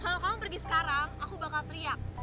kalau kamu pergi sekarang aku bakal teriak